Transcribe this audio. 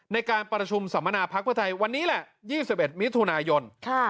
ในการประชุมสัมมนาพักเพื่อไทยวันนี้แหละ๒๑มิถุนายน